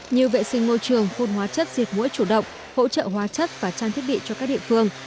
như vệ sinh môi trường phun hóa chất diệt mũi chủ động hỗ trợ hóa chất và trang thiết bị cho các địa phương